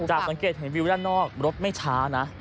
สังเกตเห็นวิวด้านนอกรถไม่ช้านะ